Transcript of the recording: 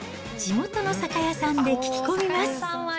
地元の酒屋さんで聞き込みます。